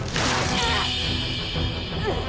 うっ。